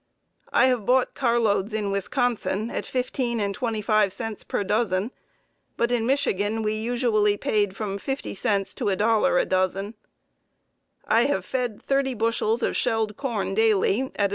I have bought carloads in Wisconsin at 15 and 25 cents per dozen, but in Michigan we usually paid from 50 cents to $1 a dozen. I have fed thirty bushels of shelled corn daily at $1.